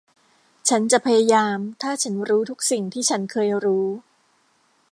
ฉันจะพยายามถ้าฉันรู้ทุกสิ่งที่ฉันเคยรู้